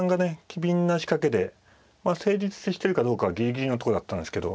機敏な仕掛けでまあ成立してるかどうかはぎりぎりのとこだったんですけど